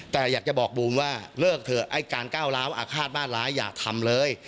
แต่อยากจะบอกบูมว่าเลิกเถอะไอ้การก้าวร้าวอาฆาตบ้านร้ายอย่าทำเลย